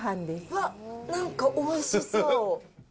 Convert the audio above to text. うわっ、なんかおいしそう。